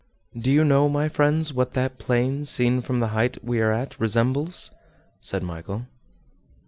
"Do you know, my friends, what that plain, seen from the height we are at, resembles?" said Michel.